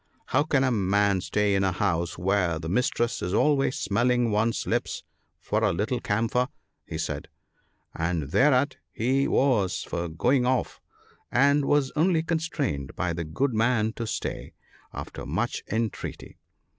" How can a man stay in a house where the mistress is always smelling one's lips for a little camphor ?" he said ; and thereat he was for going off, and was only constrained by the good man to stay, after much entreaty.